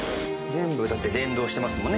全部だって連動してますもんね。